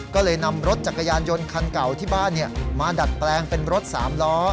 ก็เลยนำรถจักรยานยนต์คันเก่าที่บ้านมาดัดแปลงเป็นรถ๓ล้อ